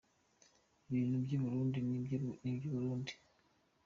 Ibintu by’i Burundi ni i by’i Burundi.